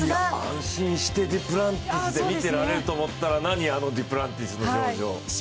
安心してデュプランティスで見ていられると思ったら、何、あのデュプランティスの表情。